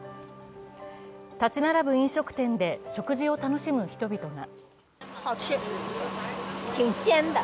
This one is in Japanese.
建ち並ぶ飲食店で、食事を楽しむ人々が。